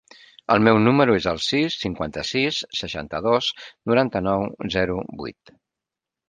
El meu número es el sis, cinquanta-sis, seixanta-dos, noranta-nou, zero, vuit.